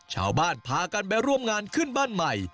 ชาวบ้านพากันไปร่วมงานขึ้นบ้านใหม่